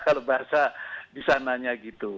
kalau bahasa di sana nya gitu